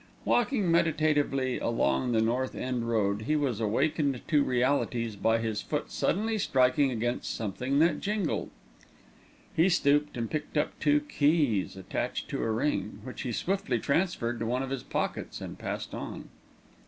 Walking meditatively along the North End Road, he was awakened to realities by his foot suddenly striking against something that jingled. He stooped and picked up two keys attached to a ring, which he swiftly transferred to one of his pockets and passed on.